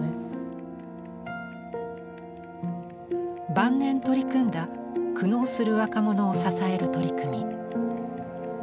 晩年取り組んだ苦悩する若者を支える取り組み。